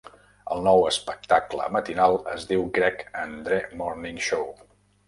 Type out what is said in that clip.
El nou espectacle matinal es diu Greg and Dre Morning Show.